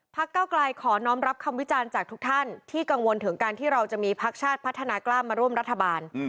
เก้าไกลขอน้องรับคำวิจารณ์จากทุกท่านที่กังวลถึงการที่เราจะมีพักชาติพัฒนากล้ามมาร่วมรัฐบาล